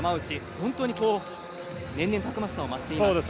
本当に年々たくましさを増しています。